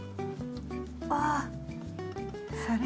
ああ！